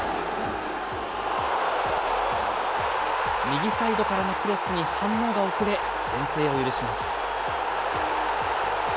右サイドからのクロスに反応が遅れ、先制を許します。